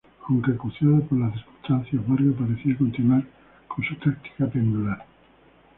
Aunque acuciado por las circunstancias, Vargas parecía continuar con su táctica pendular.